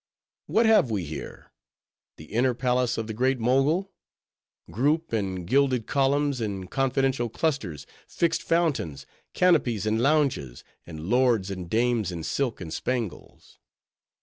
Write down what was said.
What have we here? The inner palace of the Great Mogul? Group and gilded columns, in confidential clusters; fixed fountains; canopies and lounges; and lords and dames in silk and spangles.